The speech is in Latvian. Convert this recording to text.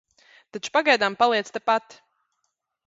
Taču pagaidām paliec tepat.